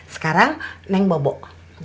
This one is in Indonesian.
sekarang neng bobok